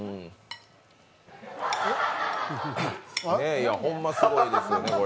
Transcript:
いや、ほんますごいですね。